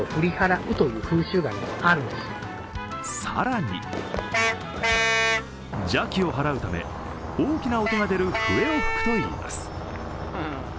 更に、邪気を払うため、大きな音が出る笛を吹くといいます。